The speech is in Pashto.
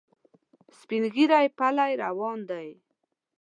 سپین ږیری پلی روان دی.